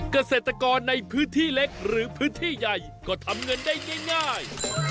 เกษตรกรในพื้นที่เล็กหรือพื้นที่ใหญ่ก็ทำเงินได้ง่าย